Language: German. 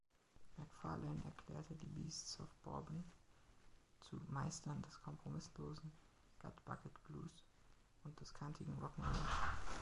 McFarlane erklärte die Beasts of Bourborn zu „Meistern des kompromisslosen Gutbucket-Blues und des kantigen Rock'n'Roll“.